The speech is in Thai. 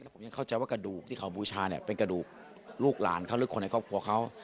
ผมยังเข้าใจว่ากระดูกที่เขาบูชาเนี่ยเป็นกระดูกลูกหลานเขาหรือคนในครอบครัวเขา